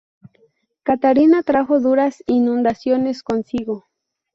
Catarina trajo duras inundaciones consigo.